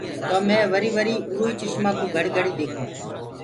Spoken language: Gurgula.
تو مينٚ وري وري اُرو آئي چسمآ ڪوُ گھڙيٚ گھڙيٚ ديکون۔